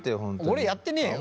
俺やってねえよ！